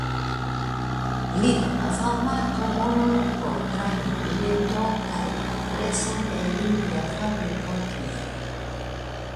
Li donas al Marko monon por trajnobileto kaj la adreson de ilia fabriko tie.